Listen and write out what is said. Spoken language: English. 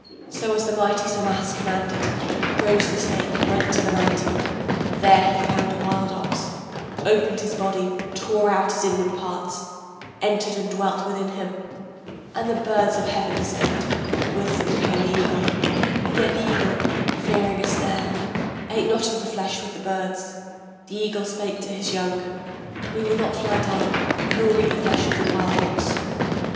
So as the mighty Samas commanded, Rose the snake, went to the mountain, There he found a wild ox, Opened his body, tore out his inward parts, Entered and dwelt within him. And the birds of heaven descended, with them came the eagle. Yet the eagle, fearing a snare, ate not of the flesh with the birds. The eagle spake to his young: We will not fly down, nor eat of the flesh of the wild ox.